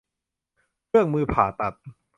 เครื่องมือผ่าตัด